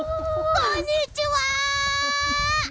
こんにちは！